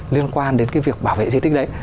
liên quan đến cái việc bảo vệ di tích đấy